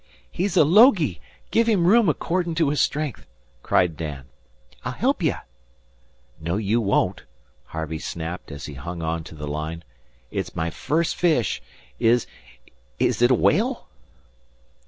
"He's a logy. Give him room accordin' to his strength," cried Dan. "I'll help ye." "No, you won't," Harvey snapped, as he hung on to the line. "It's my first fish. Is is it a whale?"